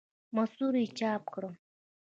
مصور یې چاپ کړم.